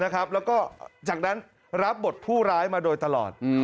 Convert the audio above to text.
แล้วก็จากนั้นรับบทผู้ร้ายมาโดยตลอด